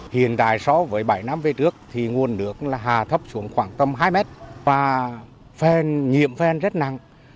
hiện tại so với bảy năm về trước thì nguồn nước là hà thấp xuống khoảng tầm hai mét và nhiễm phen rất nặng